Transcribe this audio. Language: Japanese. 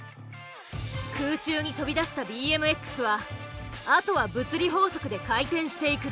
空中に飛び出したＢＭＸはあとは物理法則で回転していくだけ。